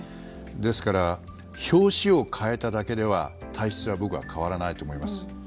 ですから、表紙を変えただけでは体質は僕は変わらないと思います。